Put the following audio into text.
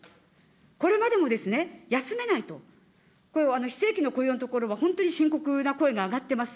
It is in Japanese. これまでも休めないと、こういう非正規の雇用のところは本当に深刻な声が上がっています。